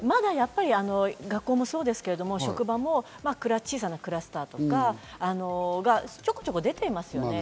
まだやっぱり学校もそうですけど職場も小さなクラスターとかがちょこちょこ出ていますよね。